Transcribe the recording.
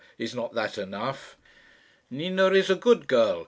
Is not that enough?" "Nina is a good girl.